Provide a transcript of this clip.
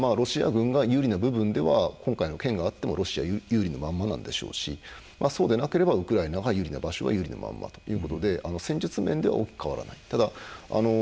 ですからロシア軍が有利な部分では今回の件があってもロシア有利のままなんでしょうしそうでなければウクライナが有利な場所は有利なままということで戦術面では大きく変わらない。